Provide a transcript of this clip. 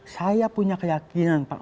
saya punya keyakinan pak